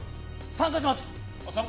参加します。